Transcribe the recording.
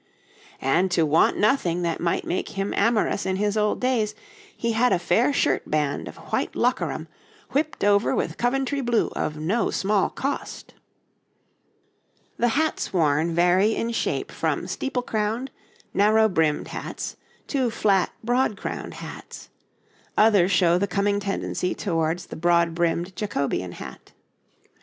'And to want nothing that might make him amorous in his old days, he had a fair shirt band of white lockeram, whipt over with Coventry blue of no small cost.' [Illustration: {Three men of the time of Elizabeth; a sleeve}] The hats worn vary in shape from steeple crowned, narrow brimmed hats, to flat, broad crowned hats; others show the coming tendency towards the broad brimmed Jacobean hat.